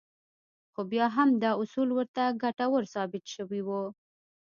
خو بيا هم دا اصول ورته ګټور ثابت شوي وو.